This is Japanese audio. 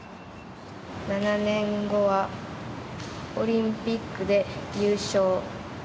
７年後はオリンピックで優勝。